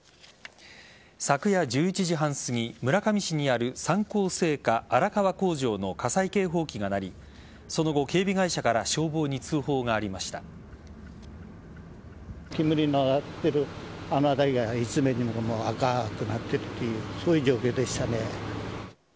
昨夜１１時半すぎ村上市にある三幸製菓荒川工場の火災警報器が鳴りその後、警備会社から消防に通報がありました。